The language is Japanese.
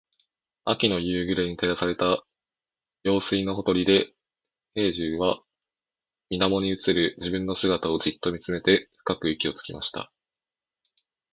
秋の夕暮れに照らされた用水のほとりで、兵十は水面に映る自分の姿をじっと見つめて深く息をつきました。